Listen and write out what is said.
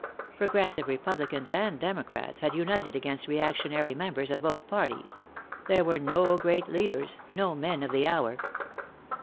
Progressive Republicans and Democrats had united against reactionary members of both parties. There were no great leaders, no men of the hour.